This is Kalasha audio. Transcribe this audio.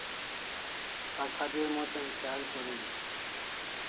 Akhabir mochan khial koreli